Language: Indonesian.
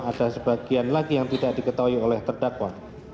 ada sebagian lagi yang tidak diketahui oleh terdakwa